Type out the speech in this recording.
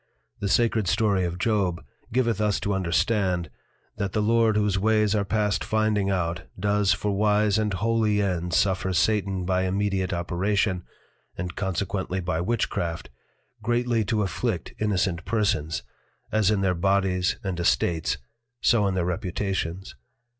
The sacred story of Job giveth us to understand, that the Lord whose ways are past finding out, does for wise and holy Ends suffer Satan by immediate Operation, (and consequently by Witchcraft) greatly to afflict innocent Persons, as in their Bodies and Estates, so in their Reputations.